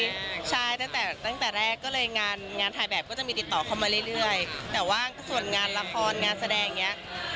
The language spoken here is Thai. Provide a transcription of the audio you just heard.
ใช่ตั้งแต่ตั้งแต่แรกก็เลยงานงานถ่ายแบบก็จะมีติดต่อเข้ามาเรื่อยแต่ว่าส่วนงานละครงานแสดงอย่างเงี้ย